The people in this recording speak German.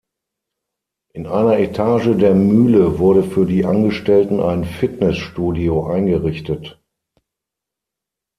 In einer Etage der Mühle wurde für die Angestellten ein Fitnessstudio eingerichtet.